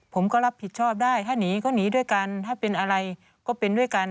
ผมก็รับผิดชอบได้ถ้าหนีก็หนีด้วยกันถ้าเป็นอะไรก็เป็นด้วยกัน